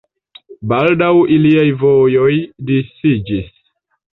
Baldaŭ iliaj vojoj disiĝis.